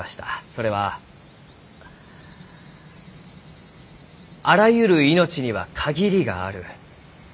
それはあらゆる命には限りがある。